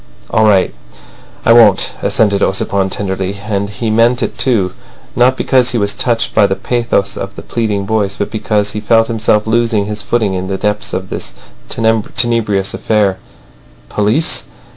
"All right. I won't," assented Ossipon tenderly. And he meant it too, not because he was touched by the pathos of the pleading voice, but because he felt himself losing his footing in the depths of this tenebrous affair. Police!